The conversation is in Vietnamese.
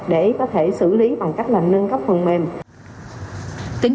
để có thể xử lý bằng cách là nâng cấp phần mềm